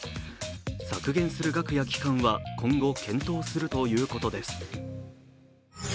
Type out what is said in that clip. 削減する額や期間は今後、検討するということです。